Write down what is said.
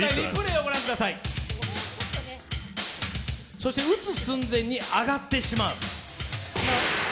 そして打つ寸前に上がってしまう。